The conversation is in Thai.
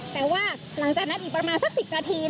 แต่ว่าหลังจากนั้นอีกประมาณสัก๑๐นาที